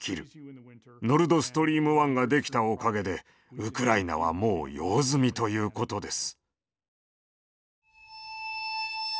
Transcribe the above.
ノルドストリーム１が出来たおかげでウクライナはもう用済みということです。